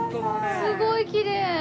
すごいきれい。